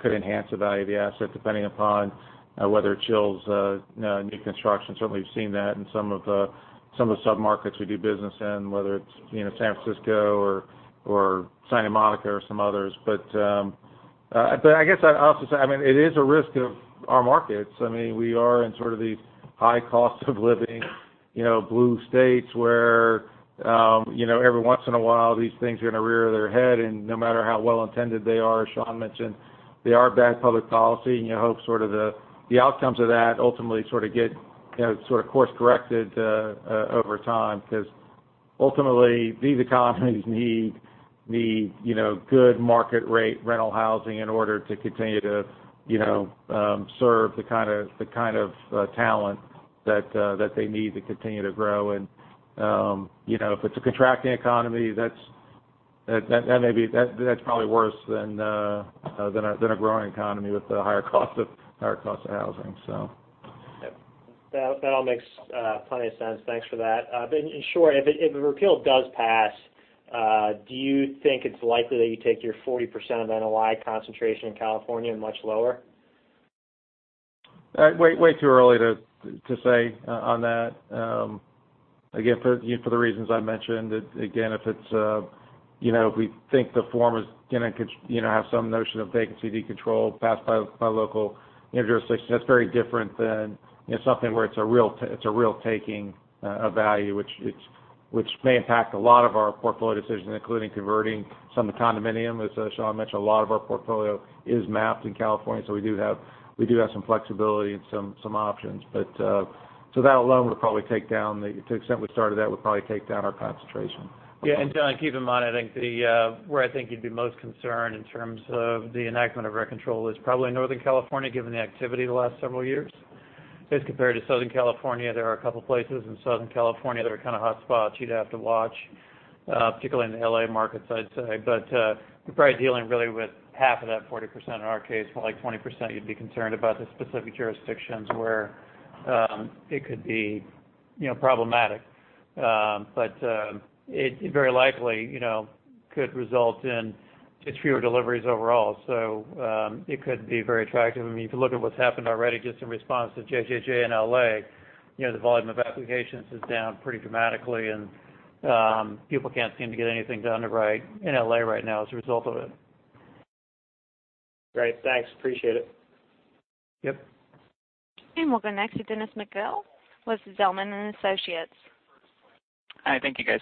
could enhance the value of the asset, depending upon whether it chills new construction. Certainly, we've seen that in some of the sub-markets we do business in, whether it's San Francisco or Santa Monica or some others. I guess I'd also say, it is a risk to our markets. We are in sort of the high cost of living, blue states where every once in a while, these things are going to rear their head, and no matter how well-intended they are, as Sean mentioned, they are bad public policy, and you hope sort of the outcomes of that ultimately sort of get course-corrected over time. Ultimately, these economies need the good market rate rental housing in order to continue to serve the kind of talent that they need to continue to grow. If it's a contracting economy, that's probably worse than a growing economy with the higher cost of housing. Yep. That all makes plenty of sense. Thanks for that. In short, if a repeal does pass, do you think it's likely that you take your 40% of NOI concentration in California much lower? Way too early to say on that. Again, for the reasons I mentioned. Again, if we think the form is going to have some notion of vacancy decontrol passed by local jurisdiction, that's very different than something where it's a real taking of value, which may impact a lot of our portfolio decisions, including converting some to condominium. As Sean mentioned, a lot of our portfolio is mapped in California, so we do have some flexibility and some options. That alone would probably take down, to the extent we started that, would probably take down our concentration. Yeah. John, keep in mind, where I think you'd be most concerned in terms of the enactment of rent control is probably Northern California, given the activity the last several years, as compared to Southern California. There are a couple of places in Southern California that are kind of hotspots you'd have to watch, particularly in the L.A. market, I'd say. You're probably dealing really with half of that 40%, in our case, more like 20%, you'd be concerned about the specific jurisdictions where it could be problematic. It very likely could result in just fewer deliveries overall. It could be very attractive. I mean, if you look at what's happened already, just in response to JJJ and L.A., the volume of applications is down pretty dramatically, and people can't seem to get anything done right in L.A. right now as a result of it. Great. Thanks. Appreciate it. Yep. We'll go next to Dennis McGill with Zelman & Associates. Hi, thank you, guys.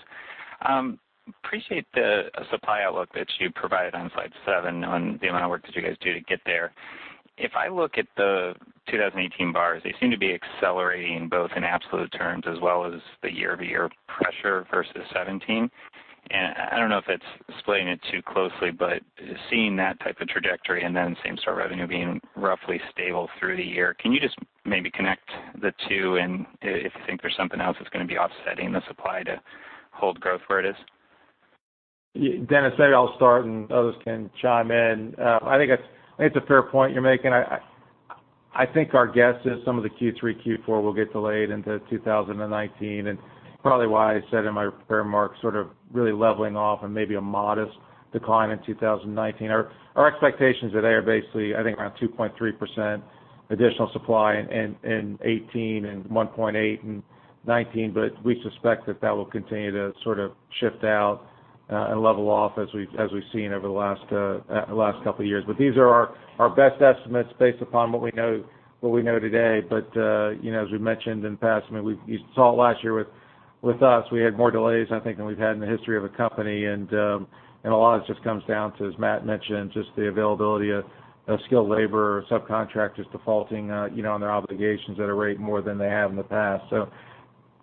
Appreciate the supply outlook that you provided on slide seven on the amount of work that you guys do to get there. If I look at the 2018 bars, they seem to be accelerating both in absolute terms as well as the year-over-year pressure versus 2017. I don't know if it's explaining it too closely, but seeing that type of trajectory and then same-store revenue being roughly stable through the year, can you just maybe connect the two and if you think there's something else that's going to be offsetting the supply to hold growth where it is? Dennis, maybe I'll start and others can chime in. I think it's a fair point you're making. I think our guess is some of the Q3, Q4 will get delayed into 2019, probably why I said in my prepared remarks sort of really leveling off and maybe a modest decline in 2019. Our expectations are they are basically, I think, around 2.3% additional supply in 2018 and 1.8 in 2019. We suspect that that will continue to sort of shift out and level off as we've seen over the last couple of years. These are our best estimates based upon what we know today. As we've mentioned in the past, you saw it last year with us, we had more delays, I think, than we've had in the history of the company. A lot of it just comes down to, as Matt mentioned, just the availability of skilled labor, subcontractors defaulting on their obligations at a rate more than they have in the past.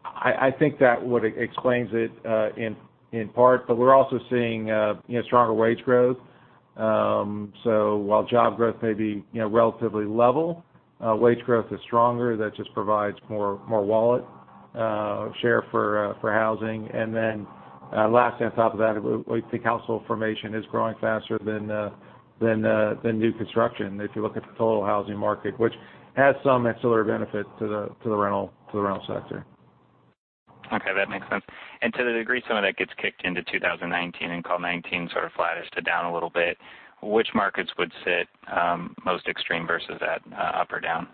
I think that explains it in part. We're also seeing stronger wage growth. While job growth may be relatively level, wage growth is stronger. That just provides more wallet share for housing. Lastly, on top of that, we think household formation is growing faster than new construction, if you look at the total housing market, which has some ancillary benefit to the rental sector. Okay, that makes sense. To the degree some of that gets kicked into 2019 and call 2019 sort of flattish to down a little bit, which markets would sit most extreme versus that up or down?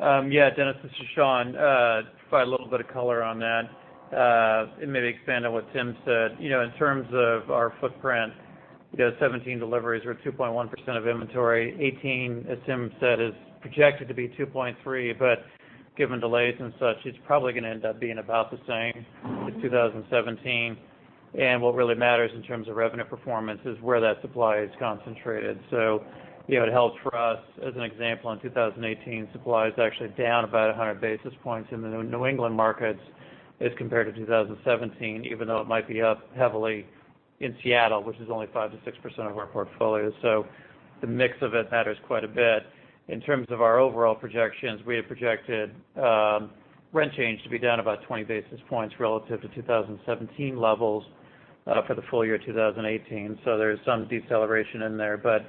Dennis, this is Sean. To provide a little bit of color on that, and maybe expand on what Tim said. In terms of our footprint, 2017 deliveries were 2.1% of inventory. 2018, as Tim said, is projected to be 2.3, but given delays and such, it's probably going to end up being about the same as 2017. What really matters in terms of revenue performance is where that supply is concentrated. It helps for us, as an example, in 2018, supply is actually down about 100 basis points in the New England markets as compared to 2017, even though it might be up heavily in Seattle, which is only 5%-6% of our portfolio. The mix of it matters quite a bit. In terms of our overall projections, we had projected rent change to be down about 20 basis points relative to 2017 levels for the full year 2018. There is some deceleration in there, but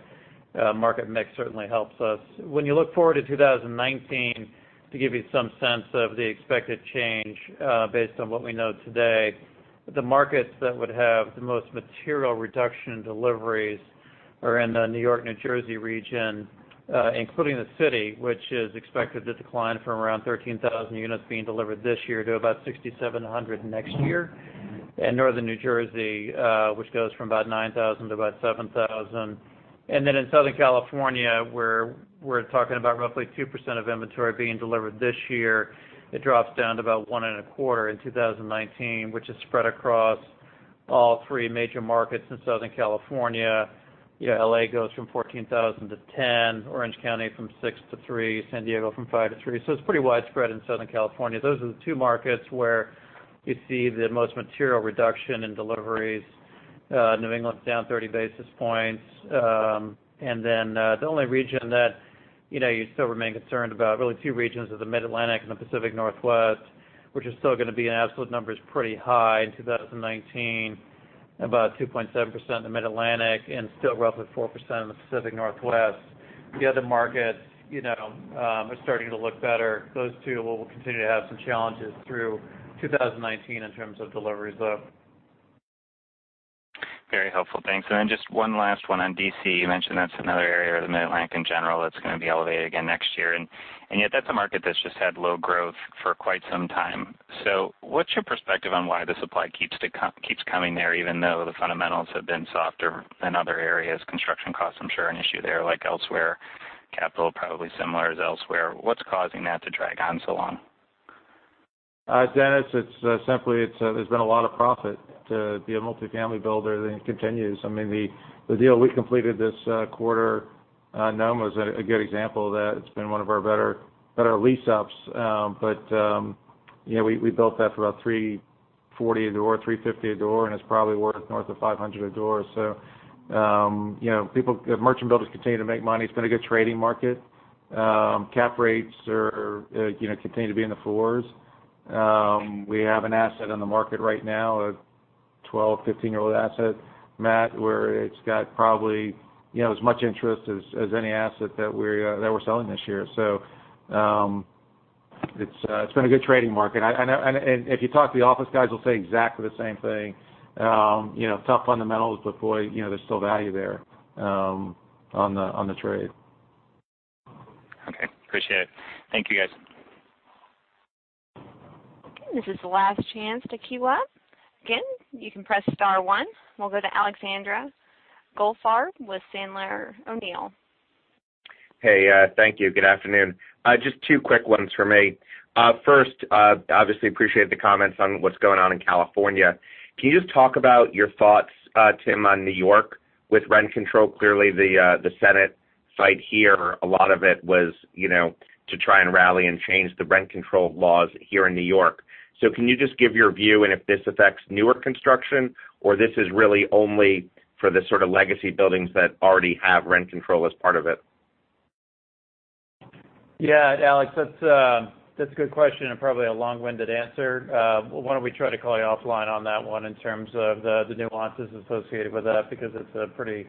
market mix certainly helps us. When you look forward to 2019, to give you some sense of the expected change based on what we know today, the markets that would have the most material reduction in deliveries are in the New York, New Jersey region, including the city, which is expected to decline from around 13,000 units being delivered this year to about 6,700 next year. In northern New Jersey, which goes from about 9,000 to about 7,000. In Southern California, where we're talking about roughly 2% of inventory being delivered this year. It drops down to about one and a quarter in 2019, which is spread across all three major markets in Southern California. L.A. goes from 14,000 to 10,000, Orange County from 6 to 3, San Diego from 5 to 3. It's pretty widespread in Southern California. Those are the two markets where you see the most material reduction in deliveries. New England's down 30 basis points. The only region that you still remain concerned about, really two regions, are the Mid-Atlantic and the Pacific Northwest, which are still going to be in absolute numbers pretty high in 2019. About 2.7% in the Mid-Atlantic and still roughly 4% in the Pacific Northwest. The other markets are starting to look better. Those two will continue to have some challenges through 2019 in terms of deliveries, though. Very helpful. Thanks. Just one last one on D.C. You mentioned that's another area, or the Mid-Atlantic in general, that's going to be elevated again next year. That's a market that's just had low growth for quite some time. What's your perspective on why the supply keeps coming there, even though the fundamentals have been softer than other areas? Construction costs, I'm sure, are an issue there like elsewhere. Capital probably similar as elsewhere. What's causing that to drag on so long? Dennis, it's simply, there's been a lot of profit to be a multifamily builder, and it continues. The deal we completed this quarter, NoMa, is a good example of that. It's been one of our better lease-ups. We built that for about $340 a door, $350 a door, and it's probably worth north of $500 a door. Merchant builders continue to make money. It's been a good trading market. Cap rates continue to be in the fours. We have an asset on the market right now, a 12, 15-year-old asset, Matt, where it's got probably as much interest as any asset that we're selling this year. It's been a good trading market. If you talk to the office guys, they'll say exactly the same thing. Tough fundamentals, boy, there's still value there on the trade. Okay. Appreciate it. Thank you, guys. Okay, this is the last chance to queue up. Again, you can press star one. We'll go to Alexander Goldfarb with Sandler O'Neill. Hey, thank you. Good afternoon. Just two quick ones from me. First, obviously appreciate the comments on what's going on in California. Can you just talk about your thoughts, Tim, on New York with rent control? Clearly, the Senate side here, a lot of it was to try and rally and change the rent control laws here in New York. Can you just give your view and if this affects newer construction, or this is really only for the sort of legacy buildings that already have rent control as part of it? Yeah, Alex, that's a good question and probably a long-winded answer. Why don't we try to call you offline on that one in terms of the nuances associated with that, because it's a pretty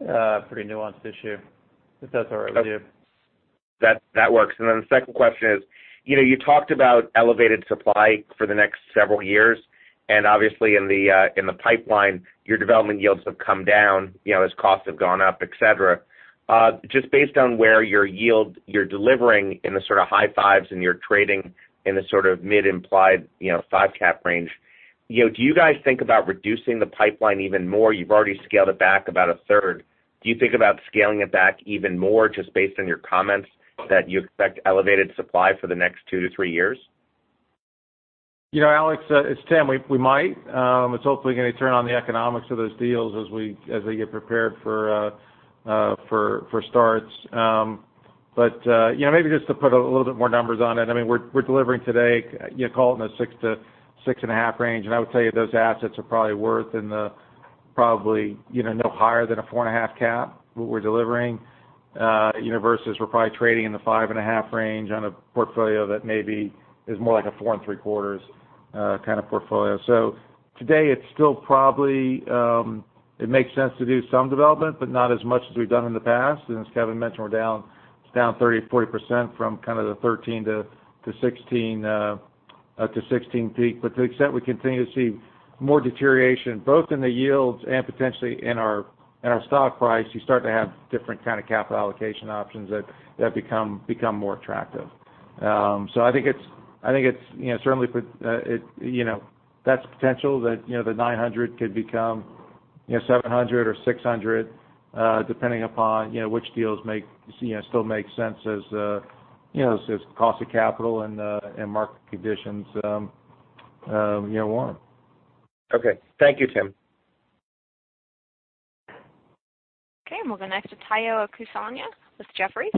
nuanced issue. If that's all right with you. That works. The second question is, you talked about elevated supply for the next several years, and obviously in the pipeline, your development yields have come down, as costs have gone up, et cetera. Just based on where your yield you're delivering in the sort of high 5s and you're trading in the sort of mid-implied 5 cap range, do you guys think about reducing the pipeline even more? You've already scaled it back about a third. Do you think about scaling it back even more, just based on your comments that you expect elevated supply for the next 2 to 3 years? Alex, it's Tim. We might. It's hopefully going to turn on the economics of those deals as they get prepared for starts. Maybe just to put a little bit more numbers on it, we're delivering today, you call it in the 6 to 6.5 range, and I would tell you those assets are probably worth in the probably no higher than a 4.5 cap, what we're delivering. Versus we're probably trading in the 5.5 range on a portfolio that maybe is more like a 4.75 kind of portfolio. Today, it's still probably, it makes sense to do some development, but not as much as we've done in the past. As Kevin mentioned, we're down 30%-40% from kind of the 2013 to 2016 peak. To the extent we continue to see more deterioration, both in the yields and potentially in our stock price, you start to have different kind of capital allocation options that become more attractive. I think that's the potential that the $900 million could become $700 million or $600 million, depending upon which deals still make sense as cost of capital and market conditions warrant. Okay. Thank you, Tim. Okay, we'll go next to Tayo Okusanya with Jefferies.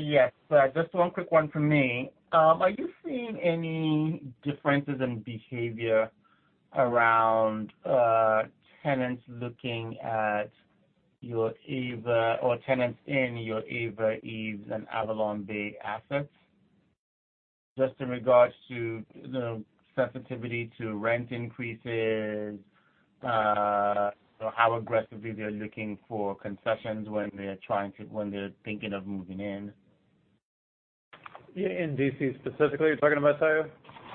Yes. Just one quick one from me. Are you seeing any differences in behavior around tenants looking at your AVA or tenants in your AVA, eaves by Avalon, and AvalonBay assets? Just in regards to the sensitivity to rent increases, how aggressively they're looking for concessions when they're thinking of moving in. Yeah, in D.C. specifically you're talking about, Tayo?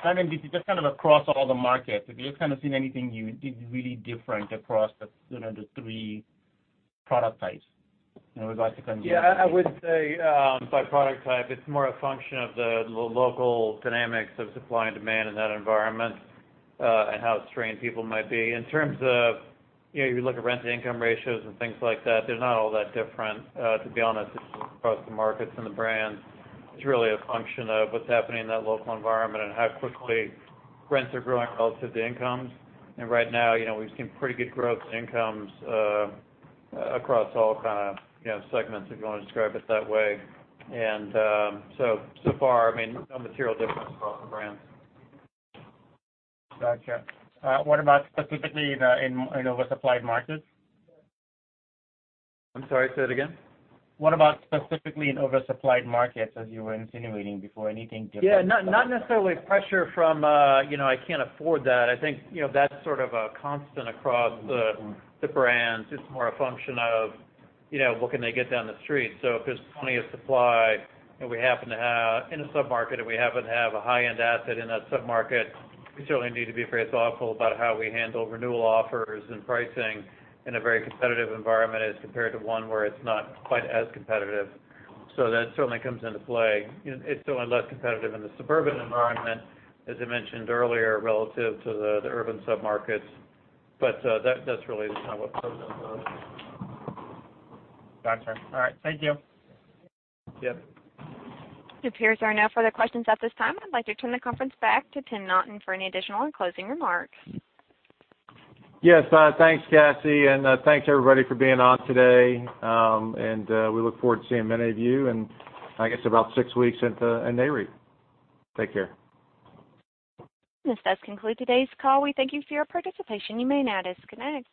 Not in D.C., just kind of across all the markets. If you've kind of seen anything you did really different across the three product types in regards to conversion. Yeah, I wouldn't say by product type. It's more a function of the local dynamics of supply and demand in that environment, and how strained people might be. In terms of if you look at rent-to-income ratios and things like that, they're not all that different, to be honest, across the markets and the brands. It's really a function of what's happening in that local environment and how quickly rents are growing relative to incomes. Right now, we've seen pretty good growth in incomes across all kind of segments, if you want to describe it that way. So far, I mean, no material difference across the brands. Gotcha. What about specifically in oversupplied markets? I'm sorry, say that again. What about specifically in oversupplied markets, as you were insinuating before, anything different? Yeah, not necessarily pressure from, I can't afford that. I think that's sort of a constant across the brands. It's more a function of what can they get down the street. If there's plenty of supply and we happen to have, in a sub-market, and we happen to have a high-end asset in that sub-market, we certainly need to be very thoughtful about how we handle renewal offers and pricing in a very competitive environment as compared to one where it's not quite as competitive. That certainly comes into play. It's still less competitive in the suburban environment, as I mentioned earlier, relative to the urban sub-markets. That's really the kind of approach we've done. Gotcha. All right. Thank you. Yep. It appears there are no further questions at this time. I'd like to turn the conference back to Tim Naughton for any additional and closing remarks. Yes. Thanks, Cassie, and thanks everybody for being on today. We look forward to seeing many of you in, I guess, about six weeks at Nareit. Take care. This does conclude today's call. We thank you for your participation. You may now disconnect.